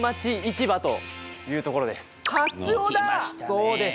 そうです！